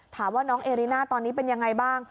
ถามว่าน้องเอริน่าตอนนี้เป็นยังไงบ้าง